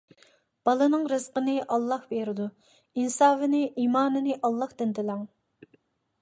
بالىنىڭ رىزقىنى ئاللاھ بېرىدۇ. ئىنسابىنى، ئىمانىنى ئاللاھتىن تىلەڭ.